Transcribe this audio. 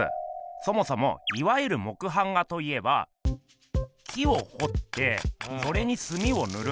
そもそもいわゆる木版画といえば木をほってそれにすみをぬる。